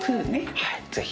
はいぜひ。